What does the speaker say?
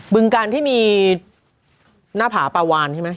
ึงการที่มีหน้าผาปลาวานใช่ไหม